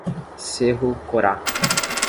Cerro Corá